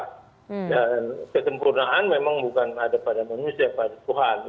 dan ketempurnaan memang bukan ada pada manusia pada tuhan